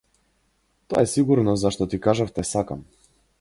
Тоа е сигурно зашто ти кажав те сакам.